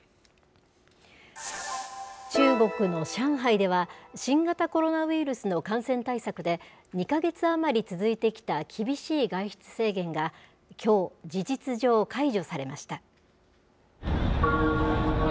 中国の上海では、新型コロナウイルスの感染対策で、２か月余り続いてきた厳しい外出制限が、きょう、事実上解除されました。